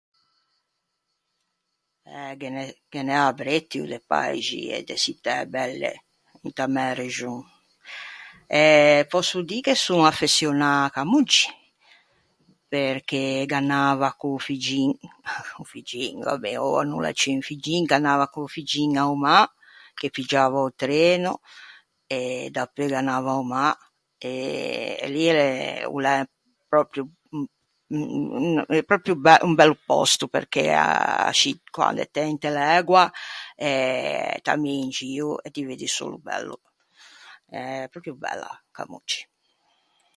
Eh, ghe n’é ghe n'é abrettio de paixi e de çittæ belle inta mæ region. Eh, pòsso dî che son affeçionâ à Camoggi, perché gh'anava co-o figgin... O figgin, va ben, oua o no l'é ciù un figgin, gh'anava co-o figgin a-o mâ, che piggiava o treno. E dapeu gh'anava a-o mâ. E... e lì l'é o l'é pròpio un un un... pròpio, pròpio un bel- bello pòsto, perché ascì quande t'ê inte l'ægua e t'ammii in gio e ti veddi solo bello. Eh, pròpio bella, Camoggi.